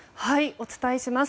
お伝えします。